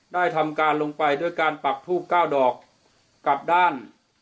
ได้ทำการลงไปด้วยการปักทูบ๙ดอกกับด้าน